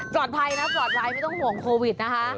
ปลอดภัยนะปลอดภัยไม่ต้องห่วงโควิดนะคะ